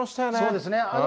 そうですね。